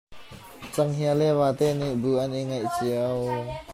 Canghngia le vate nih bu an i ngeih cio.